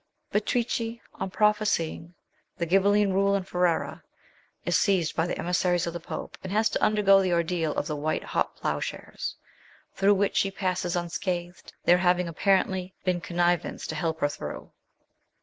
Beatrice, on prophesying the Grhibelline rule in Ferrara, is seized by the emissaries of the Pope, and has to undergo the ordeal of the white hot ploughshares, through which she passes unscathed, there having apparently been connivance to help her through.